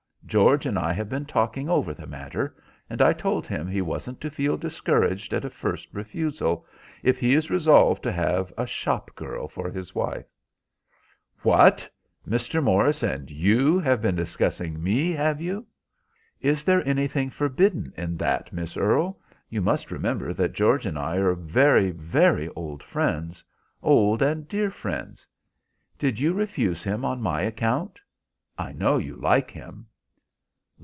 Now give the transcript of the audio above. "George and I have been talking over the matter, and I told him he wasn't to feel discouraged at a first refusal, if he is resolved to have a shop girl for his wife." "What! Mr. Morris and you have been discussing me, have you?" "Is there anything forbidden in that, Miss Earle? You must remember that George and I are very, very old friends, old and dear friends. Did you refuse him on my account? I know you like him."